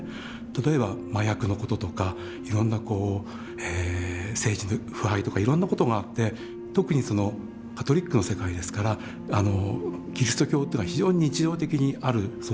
例えば麻薬のこととかいろんなこう政治の腐敗とかいろんなことがあって特にカトリックの世界ですからキリスト教というのは非常に日常的にある存在なわけですね。